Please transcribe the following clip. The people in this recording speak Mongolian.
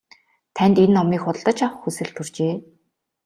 Танд энэ номыг худалдаж авах хүсэл төржээ.